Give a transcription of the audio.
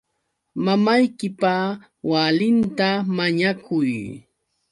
Mamaykipa walinta mañakuy.